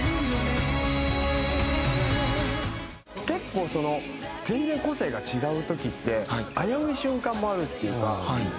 結構その全然個性が違う時って危うい瞬間もあるっていうか。